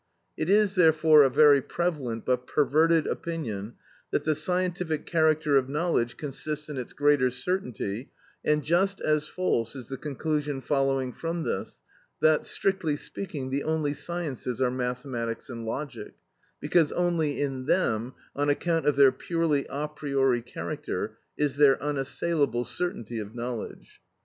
It is therefore a very prevalent but perverted opinion that the scientific character of knowledge consists in its greater certainty, and just as false is the conclusion following from this, that, strictly speaking, the only sciences are mathematics and logic, because only in them, on account of their purely a priori character, is there unassailable certainty of knowledge.